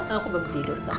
aku belum tidur